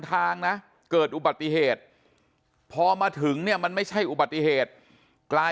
ทางนะเกิดอุบัติเหตุพอมาถึงเนี่ยมันไม่ใช่อุบัติเหตุกลาย